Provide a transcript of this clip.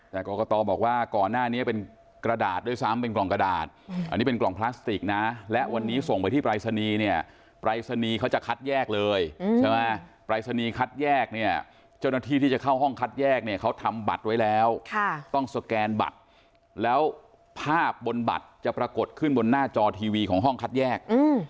แต่กรกตบอกว่าก่อนหน้านี้เป็นกระดาษด้วยซ้ำเป็นกล่องกระดาษอันนี้เป็นกล่องพลาสติกนะและวันนี้ส่งไปที่ปรายศนีย์เนี่ยปรายศนีย์เขาจะคัดแยกเลยใช่ไหมปรายศนีย์คัดแยกเนี่ยเจ้าหน้าที่ที่จะเข้าห้องคัดแยกเนี่ยเขาทำบัตรไว้แล้วต้องสแกนบัตรแล้วภาพบนบัตรจะปรากฏขึ้นบนหน้าจอทีวีของห้องคัดแยก